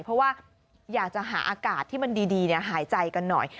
เพราะว่าอยากจะหาอากาศที่มันดีหายใจกันหน่อย